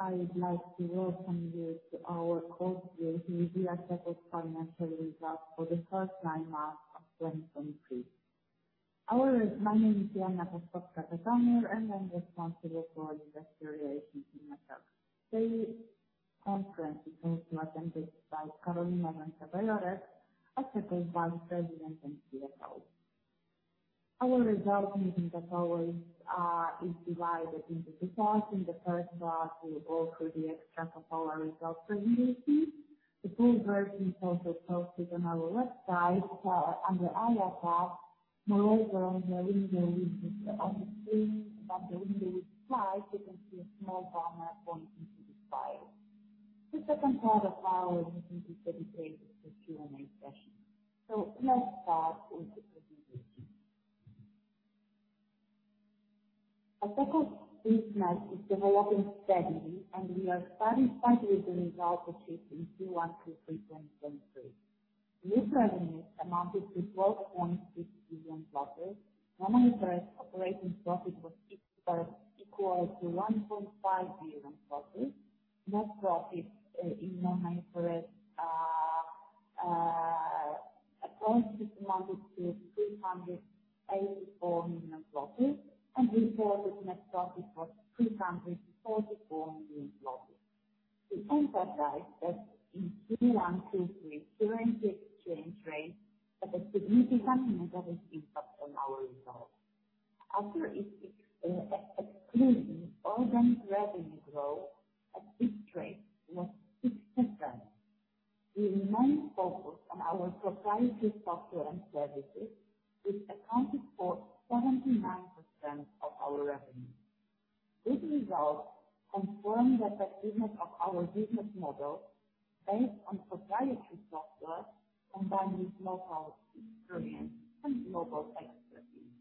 I would like to welcome you to our fourth year Asseco financial results for the first nine months of 2023. Our, my name is Joanna Paczkowska-Tatomir, and I'm responsible for Investor Relations in Asseco. Today's conference is also attended by Karolina Rzońca-Bajorek, Asseco Vice President and CFO. Our results meeting, as always, is divided into two parts. In the first part, we will go through the extract of our results for 9M. The full version is also posted on our website, under IR hub. Moreover, on the bottom of the screen, on the bottom slide, you can see a small banner pointing to the file. The second part of our meeting is dedicated to Q&A session. Let's start with the presentation. Asseco business is developing steadily, and we are satisfied with the results achieved in Q1-Q3 2023. New revenues amounted to PLN 12.6 billion. Normal interest operating profit was equal to PLN 1.5 billion. Net profit in normal interest amounted to PLN 384 million, and reported net profit was PLN 344 million. We emphasize that in Q1-Q3, current exchange rate had a significant negative impact on our results. After excluding organic revenue growth at this rate was 60%. We remain focused on our proprietary software and services, which accounted for 79% of our revenue. These results confirm the effectiveness of our business model based on proprietary software and by with local experience and global expertise.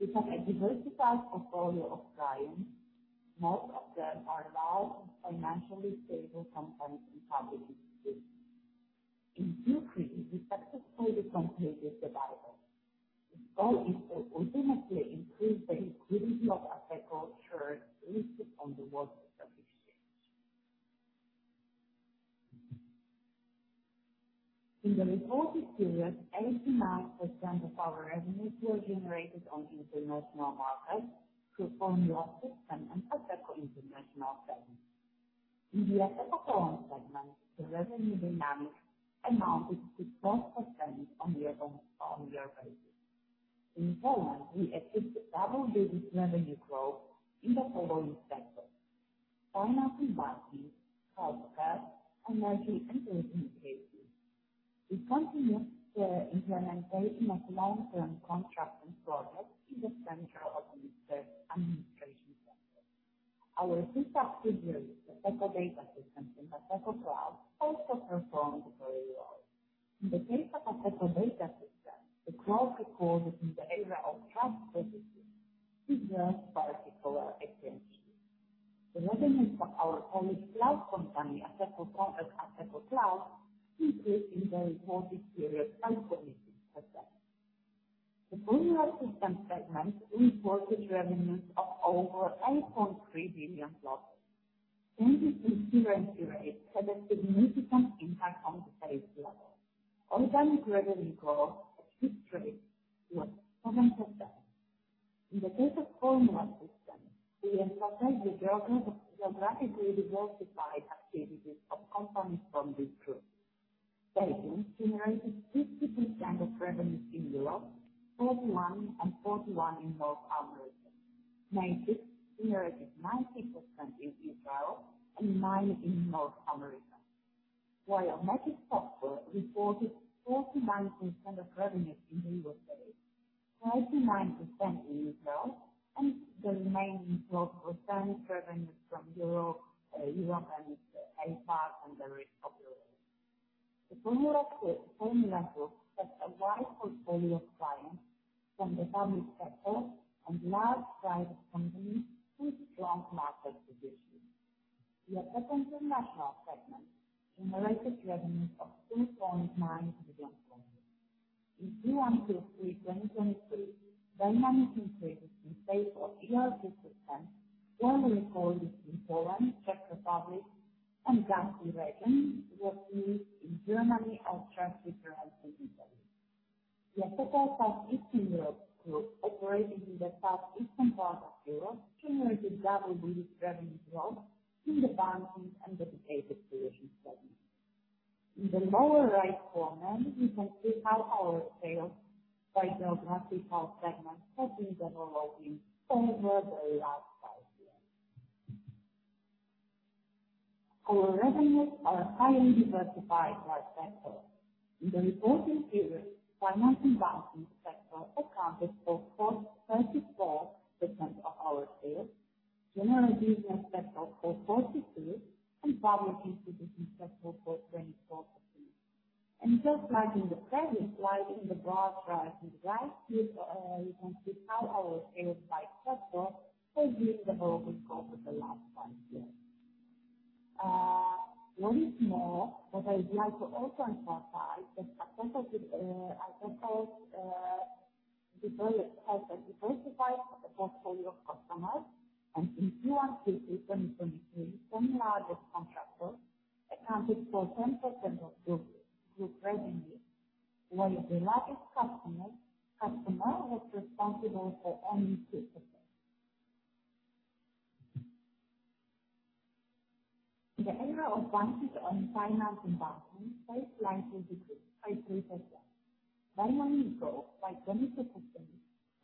We have a diversified portfolio of clients. Most of them are large, financially stable companies and public institutions. In Q3, we successfully completed the buyback. This goal is to ultimately increase the liquidity of Asseco shares listed on the Warsaw Stock Exchange. In the reported period, 89% of our revenues were generated on international markets through Formula Systems and Asseco International segment. In the Asseco Poland segment, the revenue dynamics amounted to 4% year-over-year basis. In Poland, we achieved double-digit revenue growth in the following sectors: financial banking, healthcare, energy, and telecommunications. We continued the implementation of long-term contracts and projects in the central administration sector. Our sister figures, Asseco Data Systems and Asseco Cloud, also performed very well. In the case of Asseco Data Systems, the growth recorded in the area of trust services is driven by particular agencies. The revenues for our Polish cloud company, Asseco Cloud, increased in the reported period by 46%. The Formula Systems segment reported revenues of over PLN 8.3 billion. In this currency rate, had a significant impact on the sales level. Organic revenue growth at fixed rate was 7%. In the case of Formula Systems, we emphasize the geographically diversified activities of companies from this group. They generated 60% of revenues in Europe, 31 and 41 in North America. Magic generated 90% in Israel and 9% in North America, while Magic Software reported 49% of revenues in the United States, 39% in Israel, and the remaining was 30% revenues from Europe, Europe and APAC and the rest of the world. The Formula group has a wide portfolio of clients from the public sector and large private companies with strong market position. The Asseco International segment generated revenues of 2.9 billion. In Q1-Q3 2023, dynamic increases in sales of ERP systems, generally recorded in Poland, Czech Republic, and Hungary region, was seen in Germany and trans-European region. The Asseco South Eastern Europe group, operating in the southeastern part of Europe, generated double-digit revenue growth in the banking and dedicated solutions segment. In the lower right corner, you can see how our sales by geographical segment has been developing over the last five years. Our revenues are highly diversified by sector. In the reported period, financial banking sector accounted for 44% of our sales, general business sector for 42, and public institutions sector for 24%. And just like in the previous slide, in the bar chart on the right here, you can see how our sales by sector has been developing over the last five years. What is more, what I would like to also emphasize, that Asseco has a diversified portfolio of customers, and in Q1 2023, 10 largest contractors accounted for 10% of group revenue, while the largest customer was responsible for only 2%. In the area of banking and finance in banking, sales slightly decreased by 3%, mainly due to by 20%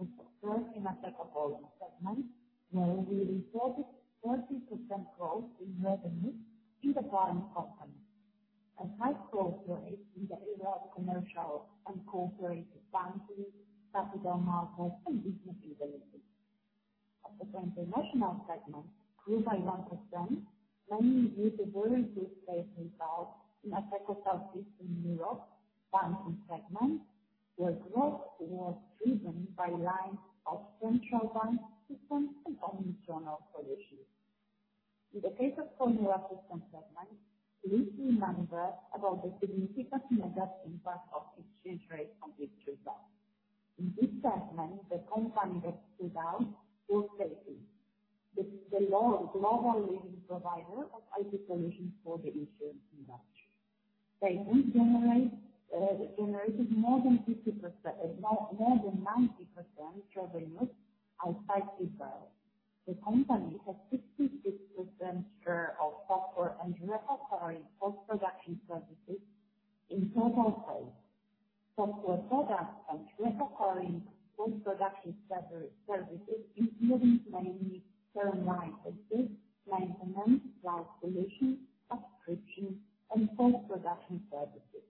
in the first semester of all segments, where we recorded 30% growth in revenue in the banking company. A high growth rate in the area of commercial and corporate banking, capital markets, and business utilities. In the transnational segment, grew by 1%, mainly due to very good sales results in Asseco South Eastern Europe banking segment, where growth was driven by lines of central bank systems and omni-channel solutions. In the case of Formula Systems segment, please remember about the significant negative impact of exchange rates on these results. In this segment, the company that stood out was Sapiens. This is the long global leading provider of IT solutions for the insurance industry. They generated more than 90% of revenues outside Israel. The company has 66% share of software and recurring post-production services in total sales. Software products and recurring post-production services, including mainly term life assistance, maintenance, cloud solutions, subscriptions, and post-production services.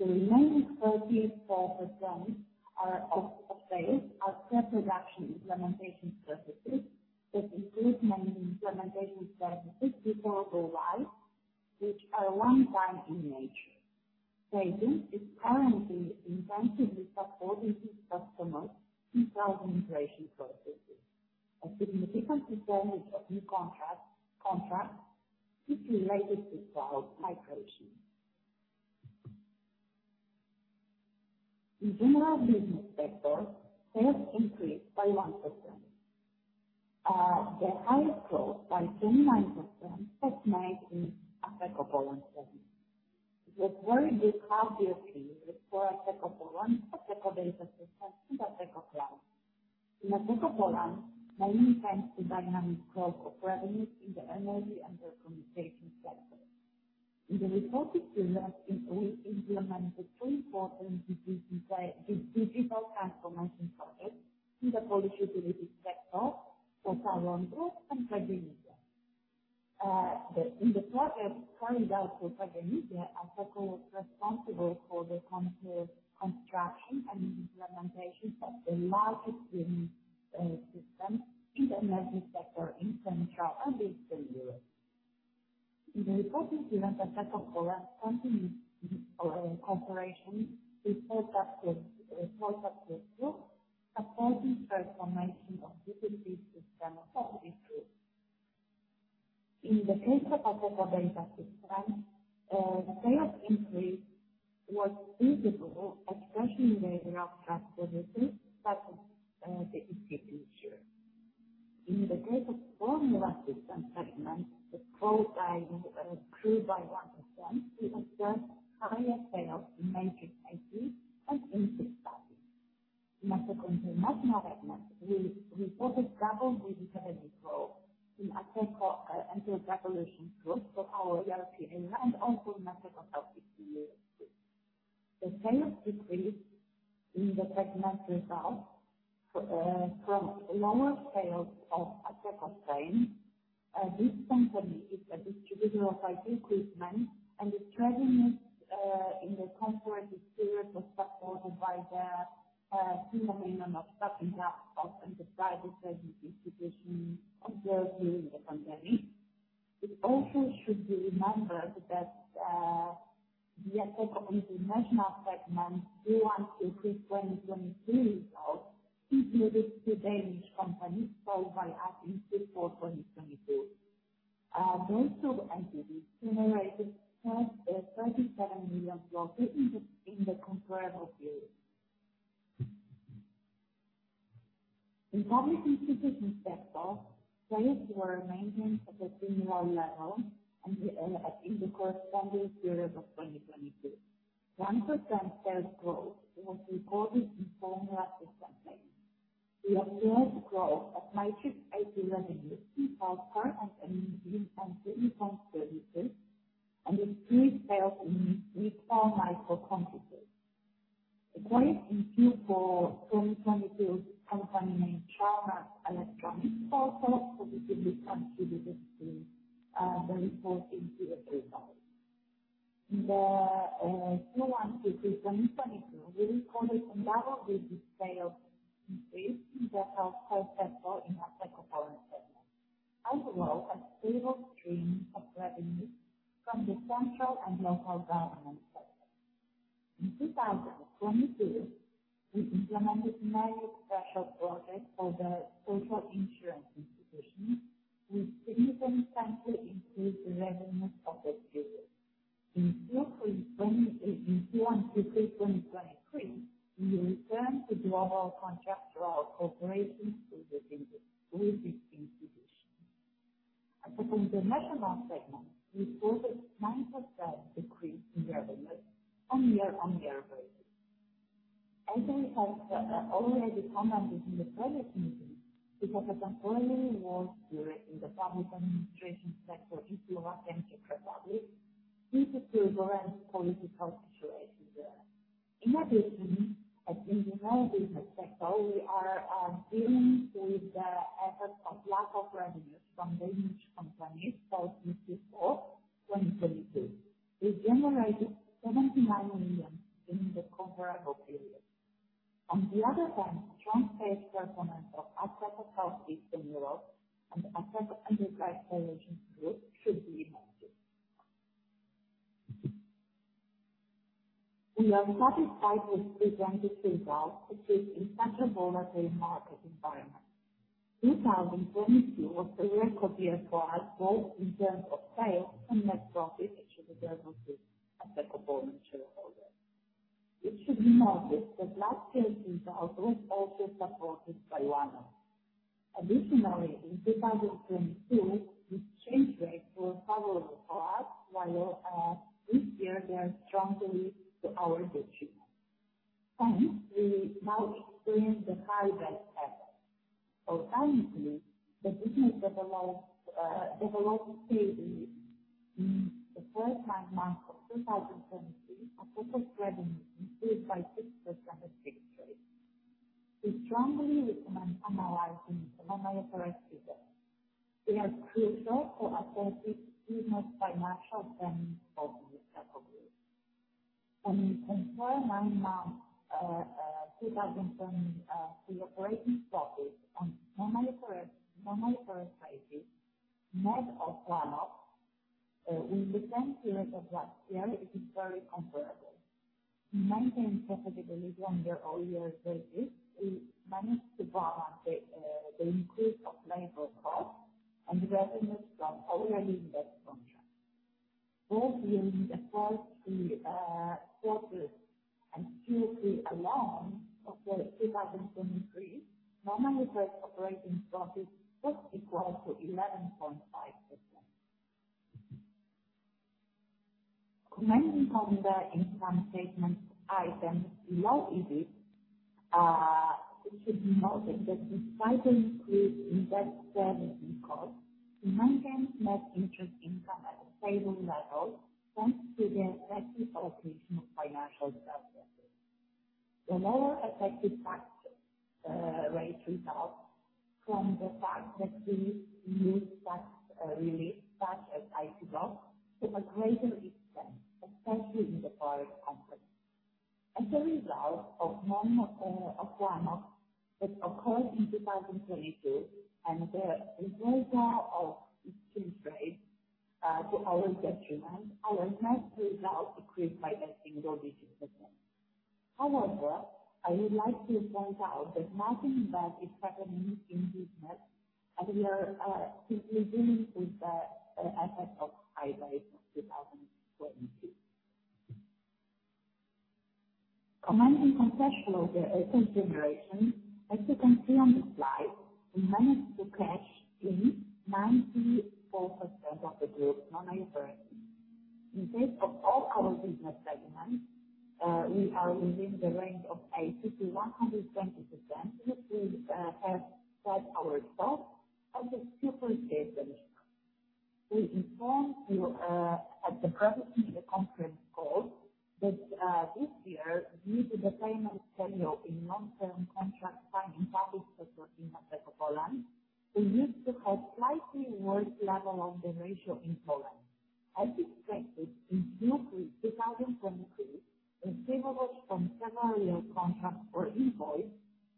The remaining 34% are of sales are pre-production implementation services, that include many implementation services before go live, which are one-time in nature. Sapiens is currently intensively supporting its customers through cloud migration processes. A significant percentage of new contract, contracts is related to cloud migration. In general business sector, sales increased by 1%. The highest growth by 29% was made in Asseco Poland segment. The very good half-year for Asseco Poland, Asseco Data Systems, and Asseco Cloud. In Asseco Poland, mainly thanks to dynamic growth of revenues in the energy and telecommunication sectors. In the reported quarter, it will implement the three important digital transformation projects in the Polish utility sector, for Tauron Group and PGNiG. In the project carried out for PGNiG, Asseco was responsible for the construction and implementation of the largest green system in the energy sector in Central and Eastern Europe. In the reported quarter, Asseco Poland continued cooperation with PKO BP, PKO BP two, supporting transformation of digital system of this group. In the case of Asseco Data Systems, the sales increase was visible, especially in the In 2022, we implemented major special project for the Social Insurance Institution, which significantly increased the revenues of the group. In 2023, we returned to global contractual cooperation with this, with this institution. And from the national segment, we saw a 9% decrease in revenues on year-on-year basis. As we have already commented in the previous meeting, we have a continuing war period in the public administration sector in Slovak Republic due to current political situation there. In addition, as in the business sector, we are dealing with the effects of lack of revenues from damage companies for 2022. We generated PLN 79 million in the comparable period. On the other hand, strong sales performance of Asseco South Eastern Europe and Asseco International should be mentioned. We are satisfied with presented results, which is in such a volatile market environment. 2022 was a record year for us, both in terms of sales and net profit, which is available to Asseco board and shareholder. It should be noted that last year's result was also supported by one-off. Additionally, in 2022, the exchange rate was favorable for us, while this year they are strongly to our detriment. Thanks. We now experience the high rate ever. Alternatively, the business developed steadily. In the first 9 months of 2023, Asseco's revenues grew by 6% year to date. We strongly recommend analyzing the non-IFRS figures. They are crucial for assessing business financial standing of Asseco Group. In four, nine months, 2023, the operating profit on non-IFRS basis, net of one-off, with the same period of last year, it is very comparable. We maintain profitability on the all-year basis. We managed to balance the increase of labor cost and revenues from already invested contracts. Both during the first three quarters, and Q3 alone of the 2023, non-IFRS operating profit just equal to 11.5%. Commenting on the income statement item below it, it should be noted that despite the increase in debt service and costs, we maintain net interest income at a stable level, thanks to the active allocation of financial services. The lower effective tax rate results from the fact that we use tax relief, tax R&D block to a greater extent, especially in the foreign countries. As a result of one of one-off that occurred in 2022, and the reversal of exchange rate to our detriment, our net result decreased by a single-digit percentage. However, I would like to point out that nothing bad is happening in business, as we are still dealing with the effect of high rate of 2022. Commenting on cash flow generation, as you can see on the slide, we managed to cash in 94% of the group non-IFRS. In case of all our business segments, we are within the range of 80%-120%, which we have set ourselves as a super case scenario. We informed you at the previous conference call that this year, due to the payment schedule in long-term contract signing, public sector in Asseco Poland, we used to have slightly worse level of the ratio in Poland. As expected in 2023, receivables from scenario contracts or invoice,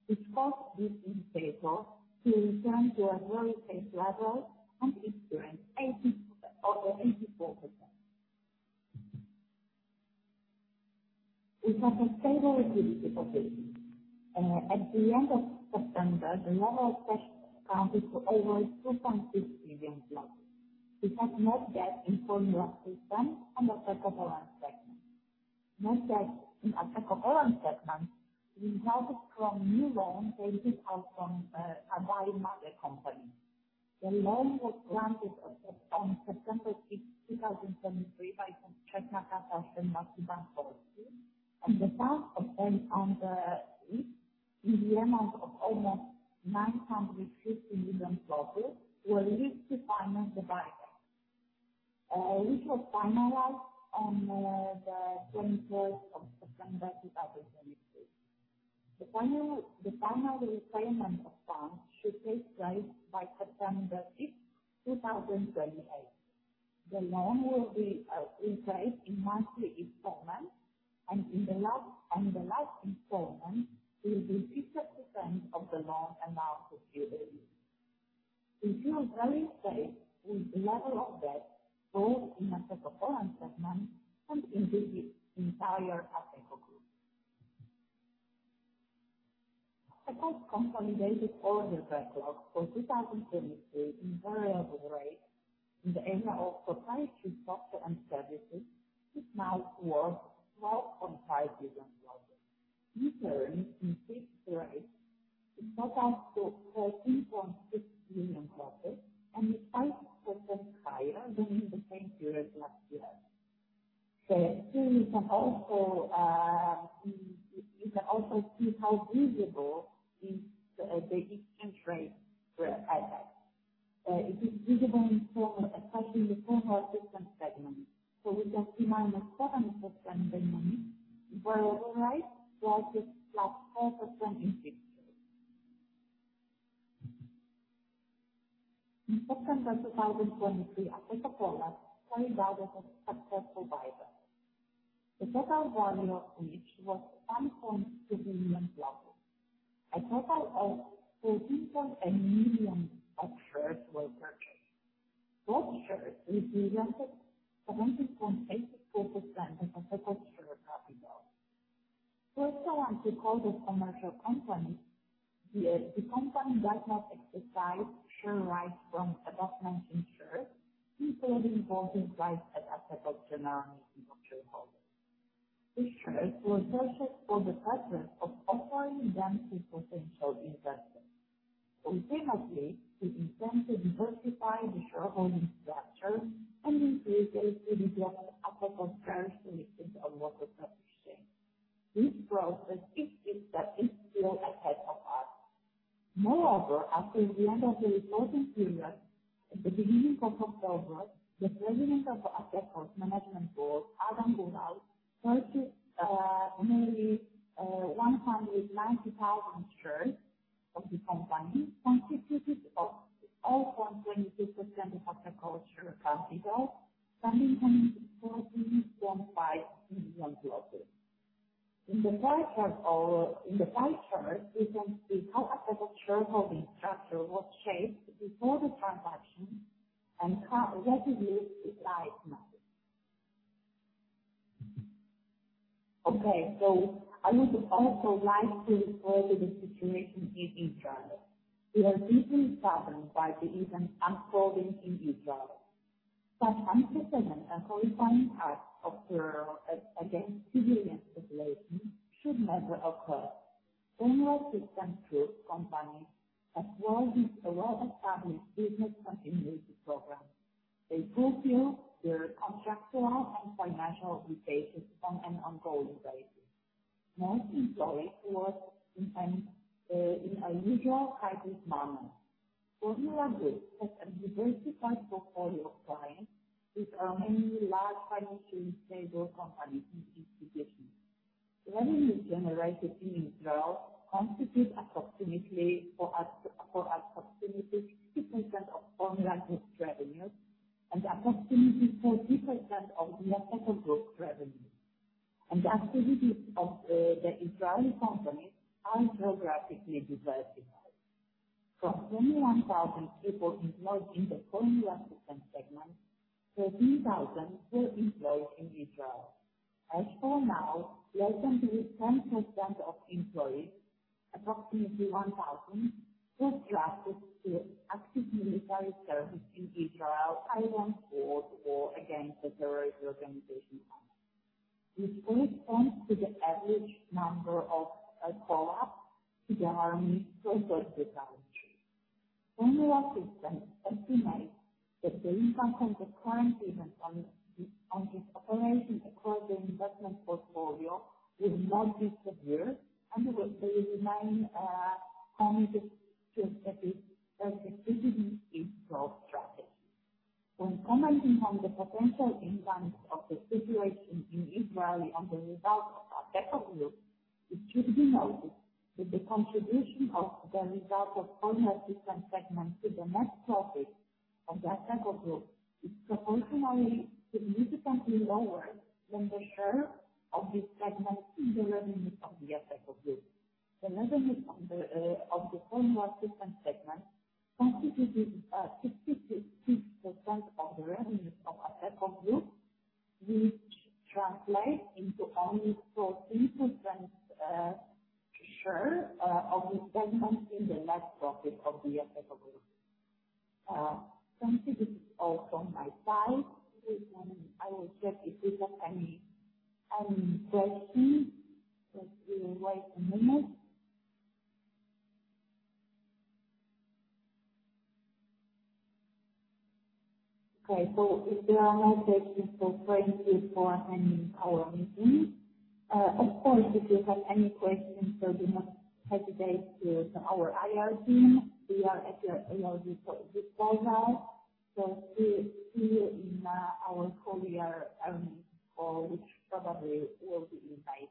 which caused this indicator to return to a very high level and experience 80%-over 84%. We have a stable liquidity position. At the end of September, the level of cash accounted to over 2.6 billion. We have more debt in Formula Systems and Asseco Poland segment. Most debt in Asseco Poland segment resulted from new loans paid out from our mother company. The loan was granted on September 5, 2023, by PKO Bank Polski, and the bank, and on the lease, in the amount of almost 950 million PLN, were leased to finance the buyer. Which was finalized on the 21st of September, 2023. The final repayment of funds should take place by September 5, 2028. The loan will be repaid in monthly installments, and in the last installment will be 50% of the loan amount due.... We feel very safe with the level of debt, both in the Asseco Poland segment and in the entire Asseco Group. Asseco's consolidated order backlog for 2023 in variable rates in the area of proprietary software and services is now worth $12.5 billion. In turn, in fixed rates, it's up to $13.6 billion, and it is 5% higher than in the same period last year. So here you can also see how visible is the exchange rate impact. It is visible in form, especially in the form of system segment. So we can see -7% segment, variable rate was +4% in fixed. In September 2023, Asseco Poland went private of successful buyback. The total value of which was $1.2 billion. A total of 14.8 million shares were purchased. Those shares represented 70.84% of Asseco's share capital. First, I want to call the commercial company. The company does not exercise share rights from adjustment in shares, including voting rights at Asseco General Meeting of Shareholders. These shares were purchased for the purpose of offering them to potential investors. Ultimately, we intend to diversify the shareholding structure and increase it to develop Asseco's current solutions and market position. This process is still ahead of us. Moreover, after the end of the reporting period, at the beginning of October, the president of Asseco's management board, Adam Góral, nearly 190,000 shares of the company, constituted of 0.26% of Asseco share capital, selling them for $1.5 million. In the pie chart or in the pie chart, you can see how Asseco's shareholding structure was shaped before the transaction and how it looks like now. Okay. So I would also like to refer to the situation in Israel. We are deeply saddened by the events unfolding in Israel. Such unprecedented and horrifying acts of terror against civilian population should never occur. Asseco Group companies, as well as a lot of public business continuity programs. They fulfill their contractual and financial obligations on an ongoing basis. Most employees work in a usual hybrid manner. Asseco Group has a diversified portfolio of clients with many large financially stable companies in this situation. Revenue generated in Israel constitutes approximately for us, for approximately 50% of online group revenue and approximately 40% of the Asseco Group revenue. And the activities of the Israeli companies are geographically diversified. From 21,000 people employed in the Formula Systems segment, 13,000 were employed in Israel. As for now, less than 10% of employees, approximately 1,000, were drafted to active military service in Israel, either on board or against the terrorist organization. This corresponds to the average number of call-ups to the army for the past three years. Formula Systems estimates that the impact of the current events on its operations across the investment portfolio will not be severe, and they will remain committed to strategic in global strategy. When commenting on the potential impact of the situation in Israel on the results of Asseco Group, it should be noted that the contribution of the results of Formula Systems segment to the net profit of the Asseco Group is proportionally significantly lower than the share of this segment in the revenues of the Asseco Group. The revenues of the Formula Systems segment contributed 66% of the revenues of Asseco Group, which translates into only 14% share of the segment in the net profit of the Asseco Group. Thank you. This is all from my side. I will check if there are any questions. Let me wait a minute. Okay, so if there are no questions so thank you for attending our meeting. Of course, if you have any questions, so do not hesitate to reach our IR team. We are at your disposal just by now. So see you in our full year earnings call, which probably will be in May.